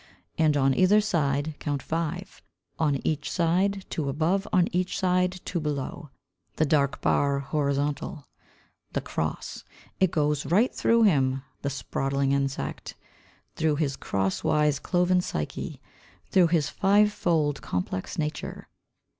And on either side count five, On each side, two above, on each side, two below The dark bar horizontal. It goes right through him, the sprottling insect, Through his cross wise cloven psyche, Through his five fold complex nature.